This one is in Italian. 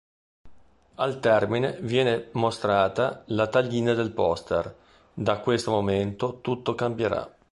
Al termine viene mostrata la tagline del poster: "Da questo momento tutto cambierà".